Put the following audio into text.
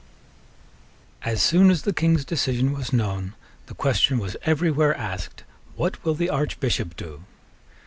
As soon as the King's decision was known, the question was every where asked, What will the Archbishop do?